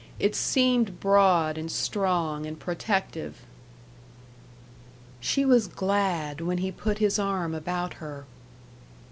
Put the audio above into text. It seemed broad and strong and protective. She was glad when he put his arm about her.